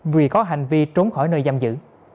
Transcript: vì có hành vi trốn khỏi nơi giam giữ